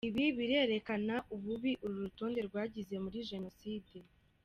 Ibi birerekana ububi uru rutonde rwagize muri Jenoside.